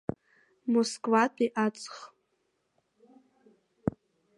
Москватәи аҵх.